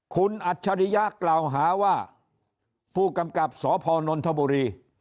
คุณอัจฉริยะกล่าวหาว่าผู้กำกับสพนนทบุรี